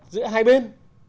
giữa hai bên